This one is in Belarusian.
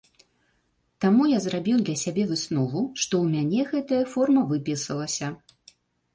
Таму я зрабіў для сябе выснову, што ў мяне гэтая форма выпісалася.